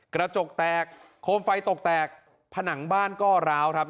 กระจกแตกโคมไฟตกแตกผนังบ้านก็ร้าวครับ